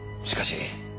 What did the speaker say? しかし。